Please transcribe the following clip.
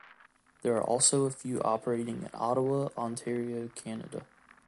There are also a few operating in Ottawa, Ontario, Canada.